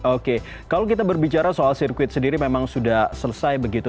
oke kalau kita berbicara soal sirkuit sendiri memang sudah selesai begitu